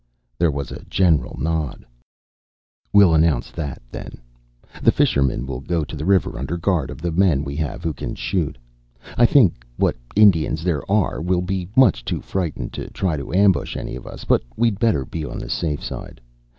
There was a general nod. "We'll announce that, then. The fishermen will go to the river under guard of the men we have who can shoot. I think what Indians there are will be much too frightened to try to ambush any of us, but we'd better be on the safe side.